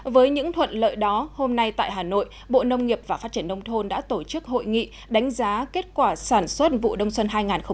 với những thuận lợi đó hôm nay tại hà nội bộ nông nghiệp và phát triển nông thôn đã tổ chức hội nghị đánh giá kết quả sản xuất vụ đông xuân hai nghìn một mươi chín